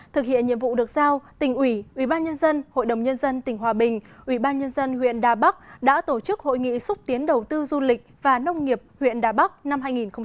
thực hiện nhiệm vụ được giao tỉnh ủy ủy ban nhân dân hội đồng nhân dân tỉnh hòa bình ủy ban nhân dân huyện đà bắc đã tổ chức hội nghị xúc tiến đầu tư du lịch và nông nghiệp huyện đà bắc năm hai nghìn một mươi chín